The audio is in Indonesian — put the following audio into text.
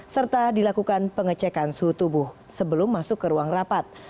serta dilakukan pengecekan suhu tubuh sebelum masuk ke ruang rapat